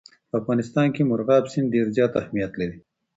په افغانستان کې مورغاب سیند ډېر زیات اهمیت لري.